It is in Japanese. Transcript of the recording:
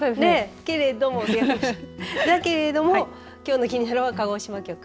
けれどもだけれどもきょうのキニナル！は鹿児島局。